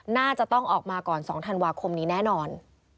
น่าจะต้องออกมาก่อน๒ธันวาคมนี้แน่นอน